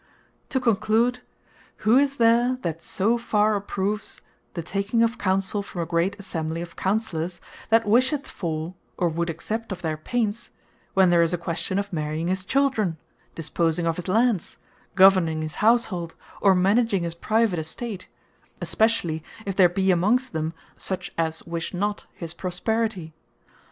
To conclude, who is there that so far approves the taking of Counsell from a great Assembly of Counsellours, that wisheth for, or would accept of their pains, when there is a question of marrying his Children, disposing of his Lands, governing his Household, or managing his private Estate, especially if there be amongst them such as wish not his prosperity?